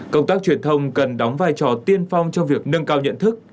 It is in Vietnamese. công tác truyền thông cần đóng vai trò tiên phong trong việc nâng cao nhận thức